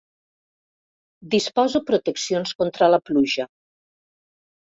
Disposo proteccions contra la pluja.